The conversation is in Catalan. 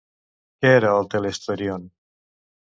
Què era el Telesterion?